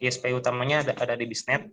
sp utamanya ada di bisnet